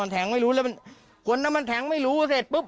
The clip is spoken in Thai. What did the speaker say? แทงไม่รู้แล้วมันคนนั้นมันแทงไม่รู้เสร็จปุ๊บ